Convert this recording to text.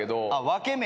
分け目？